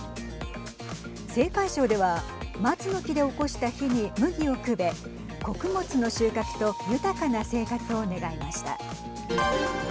青海省では松の木で起こした火に麦をくべ穀物の収穫と豊かな生活を願いました。